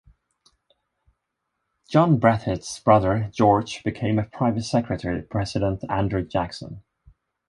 John Breathitt's brother, George, became a private secretary to President Andrew Jackson.